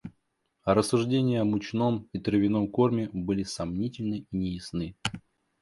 А рассуждения о мучном и травяном корме были сомнительны и неясны.